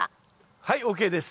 はいＯＫです。